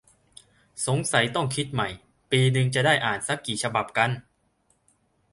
สงสัยต้องคิดใหม่ ปีนึงจะได้อ่านซักกี่ฉบับกัน ?